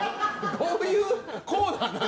どういうコーナーなの？